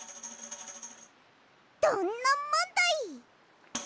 どんなもんだい！